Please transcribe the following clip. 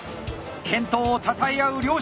健闘をたたえ合う両者。